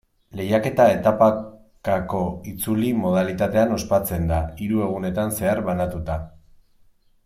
Lehiaketa etapakako itzuli modalitatean ospatzen da, hiru egunetan zehar banatuta.